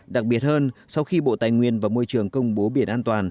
đặc biệt hơn sau khi bộ tài nguyên và môi trường công bố biển an toàn